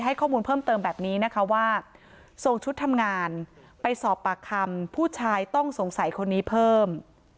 ให้ข้อมูลเพิ่มเติมแบบนี้นะคะว่าส่งชุดทำงานไปสอบปากคำผู้ชายต้องสงสัยคนนี้เพิ่ม